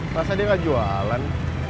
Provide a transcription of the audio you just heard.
rasa dia gak jualan